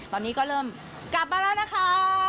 ตอนนี้ก็เริ่มกลับมาแล้วนะคะ